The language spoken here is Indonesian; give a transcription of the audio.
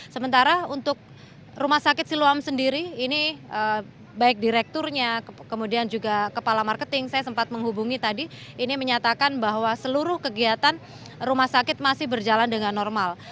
sementara untuk rumah sakit siloam sendiri ini baik direkturnya kemudian juga kepala marketing saya sempat menghubungi tadi ini menyatakan bahwa seluruh kegiatan rumah sakit masih berjalan dengan normal